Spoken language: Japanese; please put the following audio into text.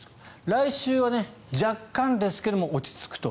来週は若干ですが落ち着くと。